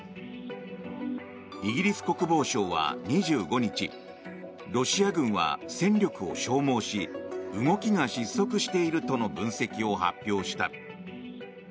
イギリス国防省は２５日ロシア軍は戦力を消耗し動きが失速しているとの分析を発表した。